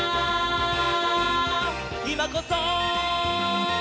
「いまこそ！」